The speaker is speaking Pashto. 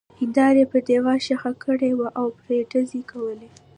هېنداره يې پر دېوال ښخه کړې وه او پرې ډزې کولې.